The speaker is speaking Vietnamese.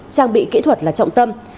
trang bị kỹ thuật là trọng tâm